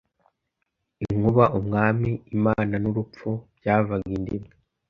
Inkuba, umwami, Imana n'urupfu byavaga inda imwe